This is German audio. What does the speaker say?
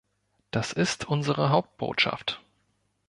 Das ist unsere Hauptbotschaft.